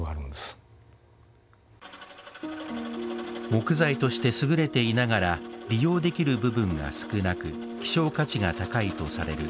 木材として優れていながら利用できる部分が少なく希少価値が高いとされる